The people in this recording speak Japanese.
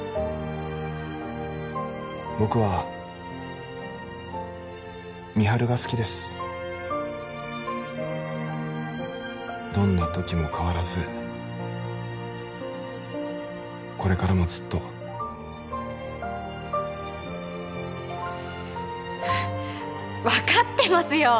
僕は美晴が好きですどんな時も変わらずこれからもずっと分かってますよ